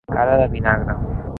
Cara de vinagre.